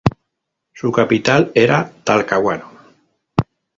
Su capital era Talcahuano.